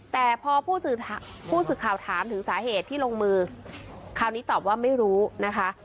แต่พอผู้สื่อข่าวถามถึงสาเหตุที่ลงมือคราวนี้ตอบว่าไม่รู้นะคะ